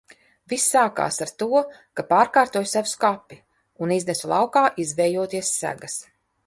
Viss sākās ar to, ka pārkārtoju savu skapi un iznesu laukā izvējoties segas.